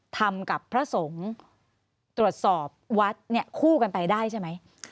ทำกับพระสงฆ์ตรวจสอบวัดเนี่ยคู่กันไปได้ใช่ไหม